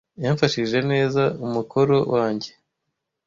Yamfashije neza umukoro wanjye.